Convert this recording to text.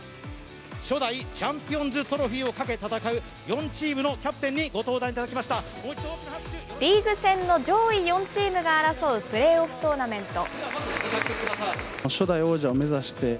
初代チャンピオンズトロフィーをかけ戦う４チームのキャプテリーグ戦の上位４チームが争うプレーオフトーナメント。